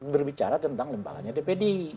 berbicara tentang lembaganya dpd